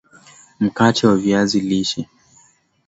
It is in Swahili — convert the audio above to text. mkate wa viazi lishe